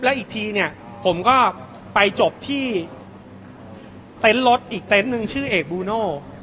แล้วอีกทีเนี่ยผมก็ไปจบที่เต็นต์รถอีกเต็นต์หนึ่งชื่อเอกบูโน่